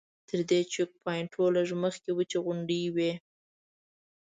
تر دې چیک پواینټ لږ مخکې وچې غونډۍ وې.